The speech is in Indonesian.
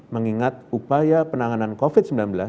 mengingat upaya penanganan covid sembilan belas